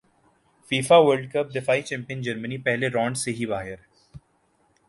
FIFA world cup دفاعی champion جرمنی پہلے رانڈ سے ہی باہر